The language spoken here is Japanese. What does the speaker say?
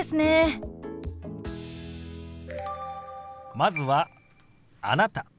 まずは「あなた」。